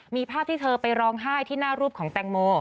มีภาพที่เธอไปร้องไห้ที่หน้ารูปของแตงโม